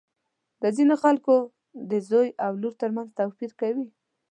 د ځینو خلکو د زوی او لور تر منځ توپیر کوي.